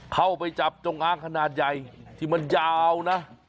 เข้าไปจับจงอางขนาดใหญ่ที่มันยาวนะ